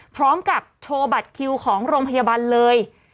พร้อมกับโชว์บัตรคิวของโรงพยาบาลเลย